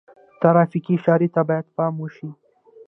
ترافیکي اشارې ته باید پام وشي.